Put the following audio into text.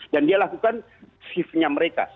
dan dia lakukan shift nya mereka